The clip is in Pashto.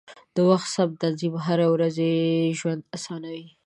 د وخت سم تنظیم هره ورځي ژوند اسانوي.